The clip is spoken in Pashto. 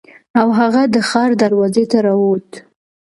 او هغه د ښار دروازې ته راووت.